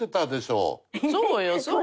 そうよそうよ。